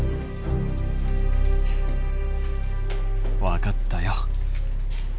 分かったよ。